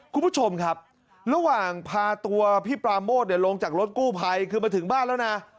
คุณผู้ชมครับระหว่างพาตัวพี่ปราโมทลงจากรถกู้ภัยคือมาถึงบ้านแล้วนะ